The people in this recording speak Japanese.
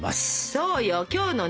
そうよ今日のね